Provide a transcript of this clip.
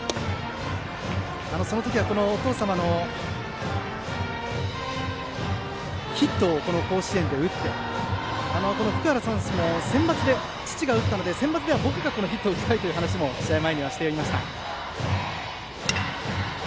その時はお父様もヒットを甲子園で打って福原選手も父が打ったのでセンバツでは僕がヒットを打ちたいという話を試合前にしていました。